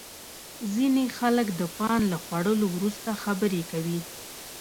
ځینې خلک د پان له خوړلو وروسته خبرې کوي.